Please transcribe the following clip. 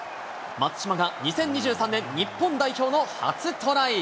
松島が２０２３年日本代表の初トライ。